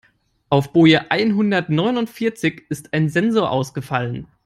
Auf Boje einhundertneunundvierzig ist ein Sensor ausgefallen.